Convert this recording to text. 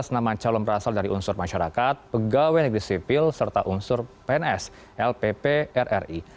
tujuh belas nama calon berasal dari unsur masyarakat pegawai negeri sipil serta unsur pns lpp rri